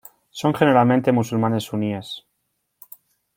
Son generalmente musulmanes suníes.